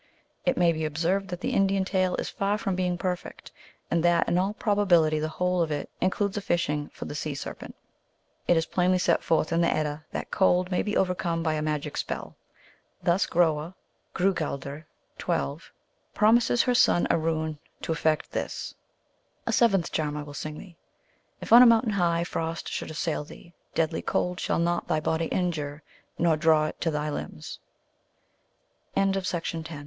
It may be observed that the Indian tale is far from being perfect, and that in all probability the whole of it includes a fishing for the sea serpent. It is plainly set forth in the Edda that Cold may be overcome by a magic spell. Thus Groa (Grou galdr, 12) promises her son a rune to effect this :" A seventh (charm) I will sing thee : If on a mountain high frost should assail thee, deadly cold shall not thy bod